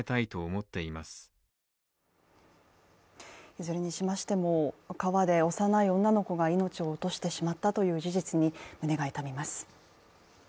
いずれにしましても、川で幼い女の子が命を落としてしまったという事実に胸が痛みます。